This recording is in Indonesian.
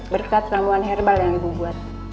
berkat sambungan herbal yang ibu buat